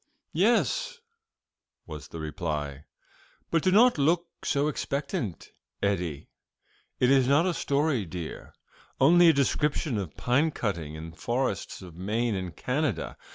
"Yes," was the reply. "But do not look so expectant, Edie; it is not a story, dear, only a description of pine cutting in the forests of Maine and Canada.